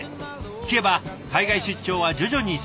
聞けば海外出張は徐々に再開。